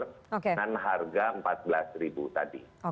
dengan harga rp empat belas tadi